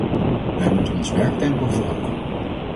Wij moeten ons werktempo verhogen.